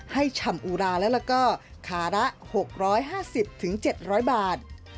ฉ่ำอุราแล้วก็ขาละ๖๕๐๗๐๐บาท